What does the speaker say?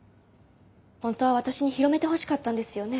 本当は私に広めてほしかったんですよね。